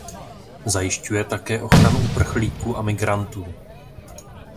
Zajišťuje také ochranu uprchlíků a migrantů.